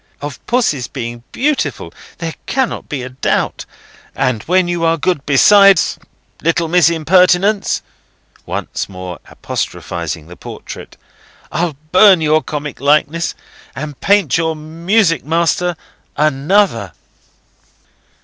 Of Pussy's being beautiful there cannot be a doubt;—and when you are good besides, Little Miss Impudence," once more apostrophising the portrait, "I'll burn your comic likeness, and paint your music master another."